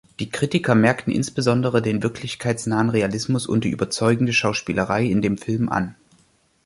Die Kritiker merkten insbesondere den wirklichkeitsnahen Realismus und die überzeugende Schauspielerei in dem Film an.